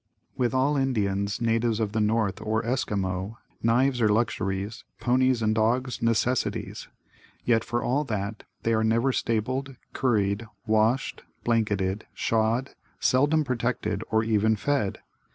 With all Indians, natives of the north or Esquimaux, knives are luxuries, ponies and dogs, necessities. Yet, for all that, they are never stabled, curried, washed, blanketed, shod, seldom protected or even fed.